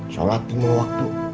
sholat tunggu waktu